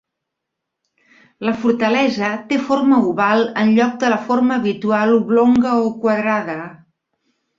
La fortalesa té forma oval enlloc de la forma habitual oblonga o quadrada.